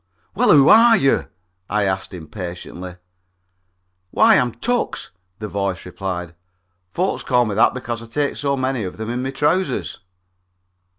"Well, who are you?" I asked impatiently. "Why, I'm Tucks," the voice replied. "Folks call me that because I take so many of them in my trousers."